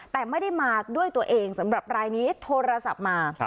แต่ไม่ได้มาด้วยตัวเองสำหรับรายนี้โทรศัพท์มา